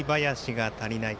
森林が足りない。